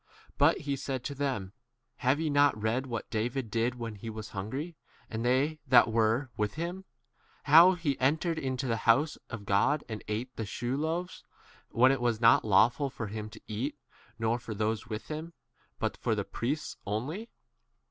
But he said to them, Have ye not read what David did when he was hungry, f and they that were with 4 him ? How he entered into the house of God, and ate the shew loaves, which it was not lawful for him to eat, nor for those with him, 5 but for the priests only